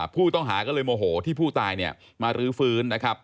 ผู้ต้องหาก็เลยโมโหที่ผู้ตายเนี่ยมารื้อฟื้นนะครับ